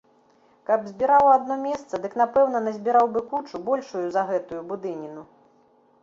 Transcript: Каб збіраў у адно месца, дык напэўна назбіраў бы кучу, большую за гэтую будыніну.